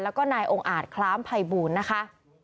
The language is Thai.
แล้วก็นายองค์อาจคล้ามภัยบูลนะคะ